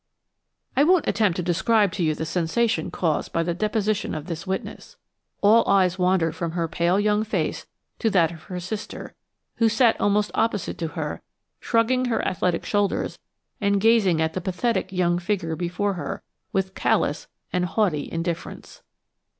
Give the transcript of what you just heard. I won't attempt to describe to you the sensation caused by the deposition of this witness. All eyes wandered from her pale young face to that of her sister, who sat almost opposite to her, shrugging her athletic shoulders and gazing at the pathetic young figure before her with callous and haughty indifference.